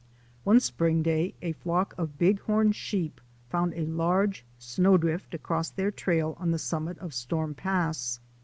One spring day a flock of Bighorn sheep found a large snowdrift across their trail on the summit of Storm Pass.